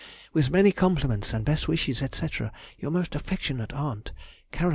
With many compliments and best wishes, &c., Your most affectionate aunt, CAR. HERSCHEL.